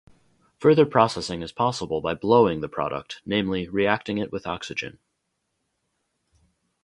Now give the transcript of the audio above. Further processing is possible by "blowing" the product: namely reacting it with oxygen.